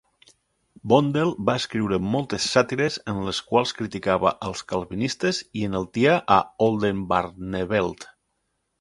Vondel va escriure moltes sàtires en les quals criticava als Calvinistes i enaltia a Oldenbarnevelt.